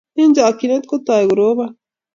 Eng chakchinet, kitoy korobon